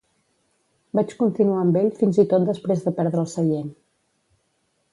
Vaig continuar amb ell fins i tot després de perdre el seient.